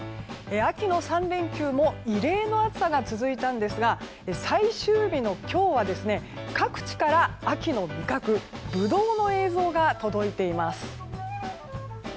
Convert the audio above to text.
秋の３連休も異例の暑さが続いたんですが最終日の今日は各地から秋の味覚ブドウの映像が届いています。